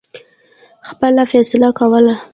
خپله فیصله کوله.